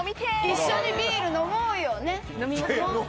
一緒にビール飲もうよ、ね。